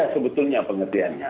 itu yang betulnya pengertiannya